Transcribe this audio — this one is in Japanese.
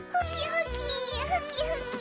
ふきふき。